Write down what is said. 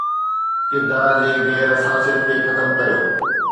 ڪردار جي غير حساسيت کي ختم ڪريو